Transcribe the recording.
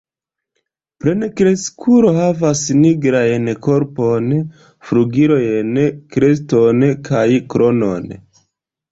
Plenkreskulo havas nigrajn korpon, flugilojn, kreston kaj kronon.